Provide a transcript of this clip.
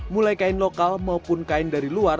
mulai kain lokal maupun kain dari luar